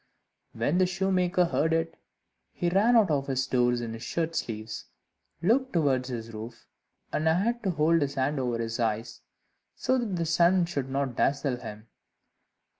When the shoemaker heard it, he ran out of his door in his shirt sleeves, looked towards his roof, and had to hold his hand over his eyes, so that the sun should not dazzle him.